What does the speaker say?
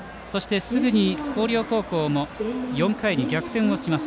すぐに広陵高校も４回に逆転をします。